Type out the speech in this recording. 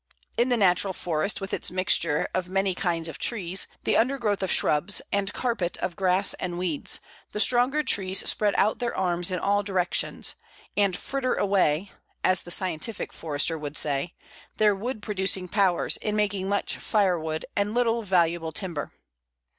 In the natural forest, with its mixture of many kinds of trees, the undergrowth of shrubs, and carpet of grass and weeds, the stronger trees spread out their arms in all directions, and fritter away (as the scientific forester would say) their wood producing powers in making much firewood and little valuable timber.